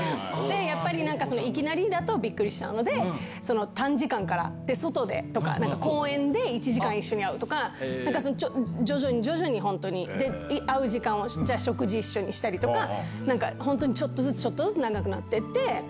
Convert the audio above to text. やっぱり、いきなりだとびっくりしちゃうので、短時間から、外でとか、公園で１時間一緒に会うとか、徐々に徐々に、本当に、会う時間は食事一緒にしたりとか、本当にちょっとずつ、ちょっとずつ長くなってって。